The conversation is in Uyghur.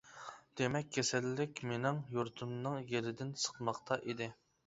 دېمەك كېسەللىك مېنىڭ يۇرتۇمنىڭ گېلىدىن سىقماقتا ئىدى.